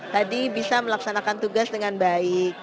tadi bisa melaksanakan tugas dengan baik